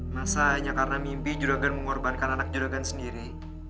masa hanya karena mimpi juragan mengorbankan anak juragan sendiri